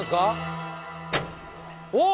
おっ！